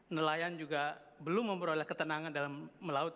nelayan juga belum memperoleh ketenangan dalam melaut